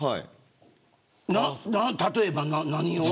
例えば、何を。